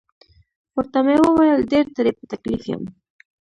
ورته مې وویل: ډیر ترې په تکلیف یم.